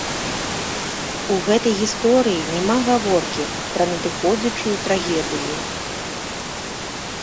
У гэтай гісторыі няма гаворкі пра надыходзячую трагедыю.